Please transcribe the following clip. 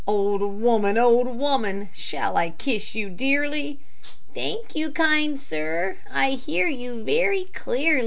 "Old woman, old woman, shall I kiss you dearly?" "Thank you, kind sir, I hear you very clearly."